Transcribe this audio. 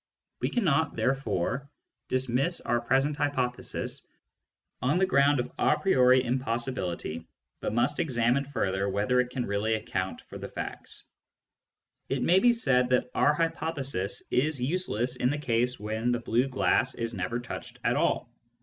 We cannot, therefore, dismiss our present hypothesis on the ground of a priori impossi bility, but must examine further whether it can really account for the facts. It may be said that our hypothesis is useless in the case when the blue glass is never touched at all.